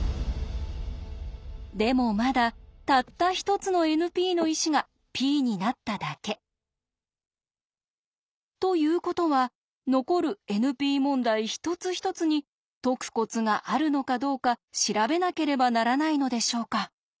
でもまだたった一つのＮＰの石がＰになっただけ。ということは残るＮＰ問題一つ一つに解くコツがあるのかどうか調べなければならないのでしょうか？